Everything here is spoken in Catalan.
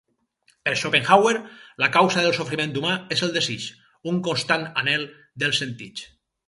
Per Schopenhauer, la causa del sofriment humà és el desig, un constant anhel dels sentits.